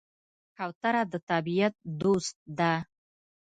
کوتره د طبیعت دوست ده.